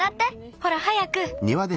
ほら早く！